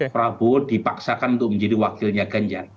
prabowo dipaksakan untuk menjadi wakilnya ganjar